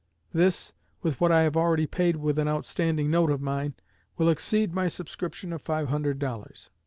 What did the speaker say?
This, with what I have already paid with an outstanding note of mine, will exceed my subscription of five hundred dollars.